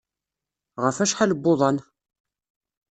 Ɣef wacḥal n wuḍan?